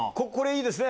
いいですね！